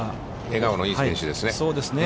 笑顔のいい選手ですね。